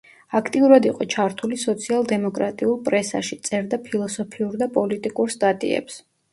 აქტიურად იყო ჩართული სოციალ-დემოკრატიულ პრესაში, წერდა ფილოსოფიურ და პოლიტიკურ სტატიებს.